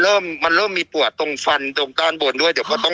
เริ่มมันเริ่มมีปวดตรงฟันตรงด้านบนด้วยเดี๋ยวก็ต้อง